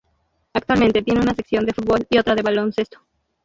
Actualmente tiene una sección de fútbol y otra de baloncesto.